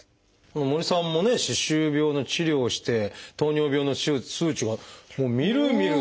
森さんもね歯周病の治療をして糖尿病の数値がみるみると。